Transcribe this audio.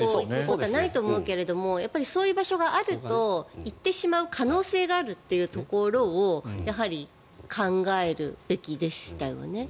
そちら側に資材置き場がなければ車が行くことはないと思うけどそういう場所があると行ってしまう可能性があるということをやはり考えるべきでしたよね。